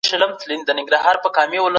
په څېړنه کې باید د قوم او ژبې تعصب نه وي.